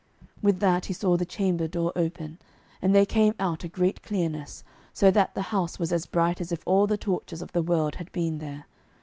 With that he saw the chamber door open, and there came out a great clearness, so that the house was as bright as if all the torches of the world had been there.